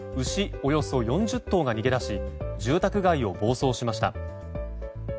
およそ４０頭が逃げ出し住宅街を暴走しました。